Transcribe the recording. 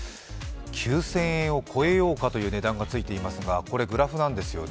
９０００円を超えようかという金額がついていますがこれ棒グラフです。